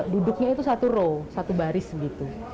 duduknya itu satu role satu baris gitu